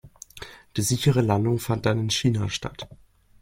Die sichere Landung fand dann in China statt.